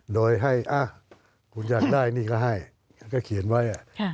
โดยให้คุณอยากได้นี่ก็ให้ก็เขียนไว้